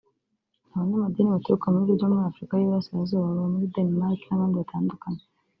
abanyamadini baturuka mu bihugu byo muri Afurika y’Uburasirazuba baba muri Denmark n’abandi batandukanye